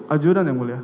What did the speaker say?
ajudan ya mulia